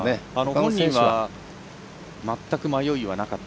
本人は全く迷いはなかった。